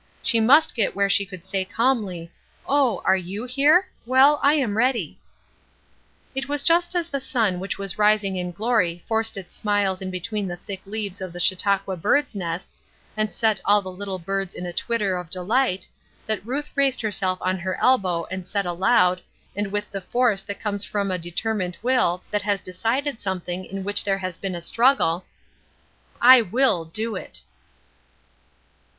She must get where she could say calmly: "Oh, are you here? Well, I am ready." It was just as the sun which was rising in glory forced its smiles in between the thick leaves of the Chautauqua birds' nests, and set all the little birds in a twitter of delight, that Ruth raised herself on her elbow and said aloud, and with the force that comes from a determined will that has decided something in which there has been a struggle: "I will do it."